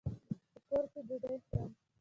په کور کي ډوډۍ خورم.